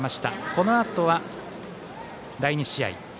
このあとは第２試合